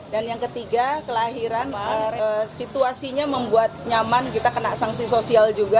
dan yang ketiga kelahiran situasinya membuat nyaman kita kena sanksi sosial juga